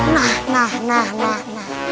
nah nah nah nah